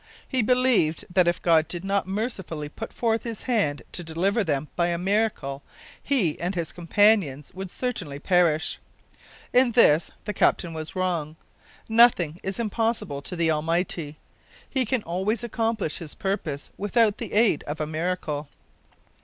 He believed that if God did not mercifully put forth His hand to deliver them by a miracle, he and his companions would certainly perish. In this the captain was wrong. Nothing is impossible to the Almighty. He can always accomplish his purposes without the aid of a miracle.